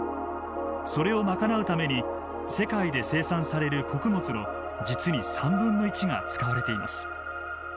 それを賄うために世界で生産される穀物の実に３分の１が使われています。